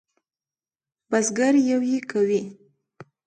بزگر یویې کوي.